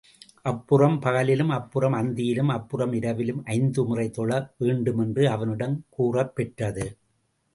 அப்புறம் பகலிலும், அப்புறம் அந்தியிலும், அப்புறம் இரவிலும், ஐந்துமுறை தொழ வேண்டுமென்று அவனிடம் கூறப் பெற்றது.